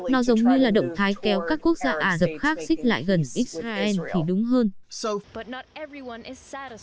nó giống như là động thái kéo các quốc gia ả rập khác xích lại gần israel thì đúng hơn